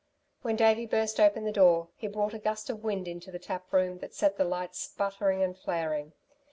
When Davey burst open the door he brought a gust of wind into the tap room that set the lights sputtering and flaring.